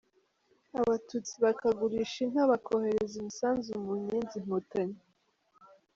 Abatutsi bakagurisha inka bakohereza imisanzu mu Nyenzi-inkotanyi.